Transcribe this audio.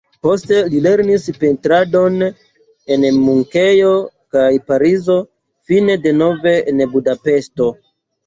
Poste li lernis pentradon en Munkeno kaj Parizo, fine denove en Budapeŝto.